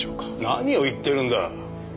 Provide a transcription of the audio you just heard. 何を言ってるんだ。